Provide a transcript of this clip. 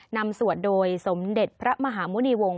นำสวดโดยสมเด็จพระมหาวุฒิวงภ์